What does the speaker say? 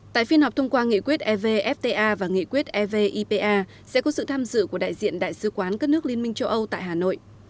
tại phiên họp thông qua nghị quyết evfta và nghị quyết evipa sẽ có sự tham dự của đại diện đại sứ quán các nước liên minh châu âu tại hà nội